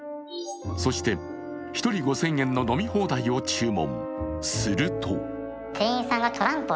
そして、１人５０００円の飲み放題を注文。